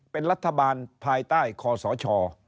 เป็นรัฐบาลภายใต้คอสช